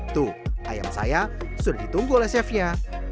tuh ayam saya sudah ditunggu oleh chef nya